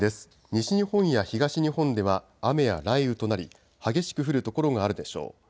西日本や東日本では雨や雷雨となり激しく降る所があるでしょう。